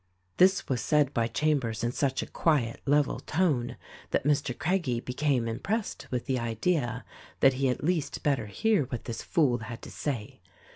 This was said by Chambers in such a quiet, level tone that Mr. Craggie become impressed with the idea that he had at least better hear what this fool had to say.